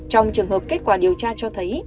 trong trường hợp kết quả điều tra cho thấy